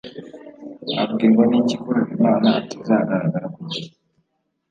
wabwirwa n'iki ko habimana atazagaragara ku gihe